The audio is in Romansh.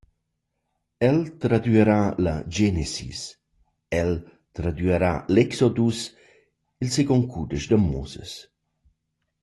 El tradüarà la Genesis, el tradüarà l’Exodus, il seguond cudesch da Moses.